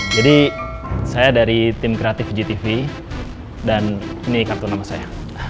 jadi saya dari tim kreatif igtv dan ini kartu nama saya